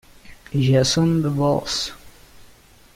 Jason de Vos